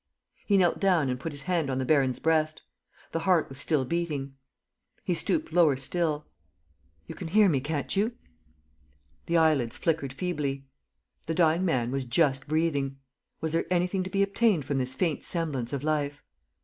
He knelt down and put his hand on the baron's breast. The heart was still beating. He stooped lower still: "You can hear me, can't you?" The eyelids flickered feebly. The dying man was just breathing. Was there anything to be obtained from this faint semblance of life?